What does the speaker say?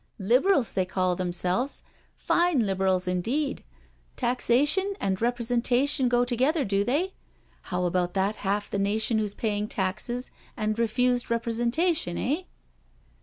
Liberals they call themselves I Fine Liberals indeed I Taxation and representation go together, do they? How about that half the nation who's paying taxes and refused representation, eh?"